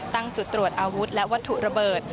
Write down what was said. ตั้งจุดตรวจอาวุธและวัตถุระเบิด